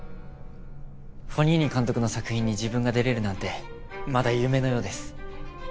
フォニーニ監督の作品に自分が出られるなんてまだ夢のようです。